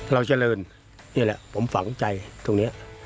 เราเจริญนี่แหละผมฝังใจตรงนี้